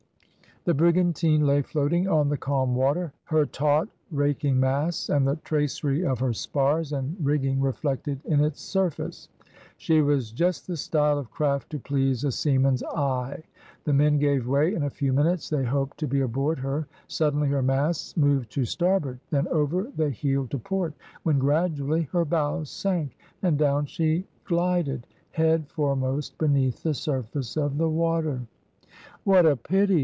The brigantine lay floating on the calm water, her taunt, raking masts, and the tracery of her spars and rigging reflected in its surface. She was just the style of craft to please a seaman's eye. The men gave way, in a few minutes they hoped to be aboard her. Suddenly her masts moved to starboard, then over they heeled to port, when, gradually, her bows sank, and down she glided, head foremost, beneath the surface of the water. "What a pity!"